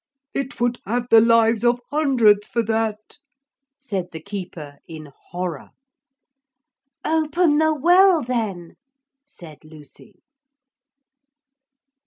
'It would have the lives of hundreds for that,' said the keeper in horror. 'Open the well then,' said Lucy.